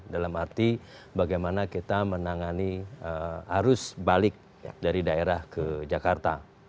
dalam arti bagaimana kita menangani arus balik dari daerah ke jakarta